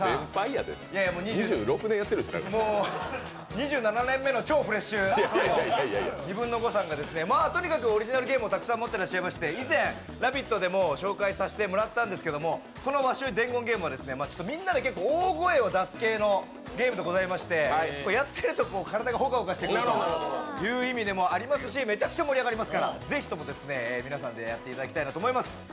２７年目の超フレッシュトリオのニブンノゴ！さんがとにかくオリジナルゲームたくさん持っていらっしゃいまして、以前「ラヴィット！」でも紹介させてもらったんですけどこの「わっしょい伝言ゲーム」はみんなで大声を出す系のゲームでしてやってると体がホカホカしてきますし、めちゃくちゃ盛り上がりますから皆さんでやってもらいたいと思います。